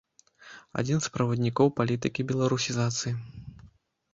Адзін з праваднікоў палітыкі беларусізацыі.